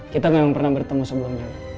kita memang pernah bertemu sebelumnya